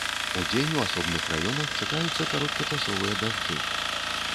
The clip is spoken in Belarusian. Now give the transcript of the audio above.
Удзень у асобных раёнах чакаюцца кароткачасовыя дажджы.